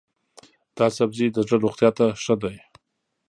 دا سبزی د زړه روغتیا ته ښه دی.